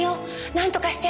なんとかして！